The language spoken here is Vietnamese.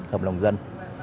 hợp lòng dân